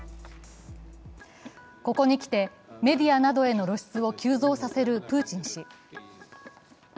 ここに来て、メディアなどへの露出を急増させるプーチン氏。